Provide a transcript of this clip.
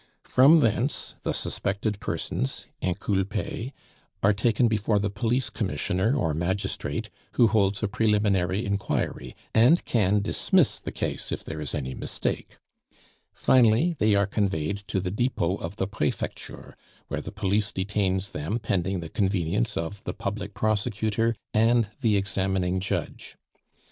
From thence the suspected persons (inculpes) are taken before the police commissioner or magistrate, who holds a preliminary inquiry, and can dismiss the case if there is any mistake; finally, they are conveyed to the Depot of the Prefecture, where the police detains them pending the convenience of the public prosecutor and the examining judge.